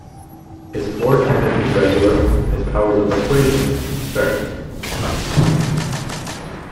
His floor attendance is regular, his powers of persuasion, fair.